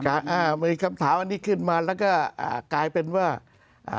อ่ามีคำถามอันนี้ขึ้นมาแล้วก็อ่ากลายเป็นว่าอ่า